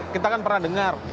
kita kan pernah dengar